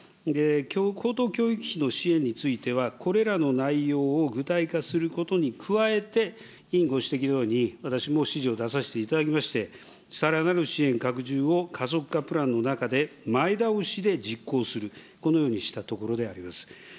高等教育費の支援については、これらの内容を具体化することに加えて、委員ご指摘のように、私も指示を出させていただきまして、さらなる支援拡充を加速化プランの中で、前倒しで実行する、このようにしたところであります。